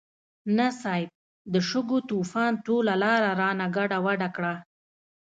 نه صيب، د شګو طوفان ټوله لاره رانه ګډوډه کړه.